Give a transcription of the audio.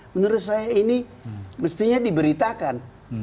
menurut saya ini mestinya diberitakan